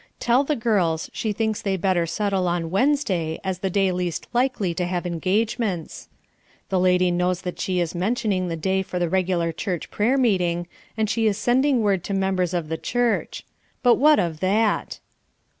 Tell the girls she thinks they better settle on Wednesday as the day least likely to have engagements. The lady knows that she is mentioning the day for the regular church prayer meeting, and she is sending word to members of the church. But what of that?